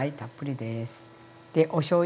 でおしょうゆ。